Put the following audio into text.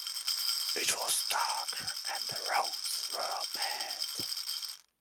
It was dark and the roads were bad.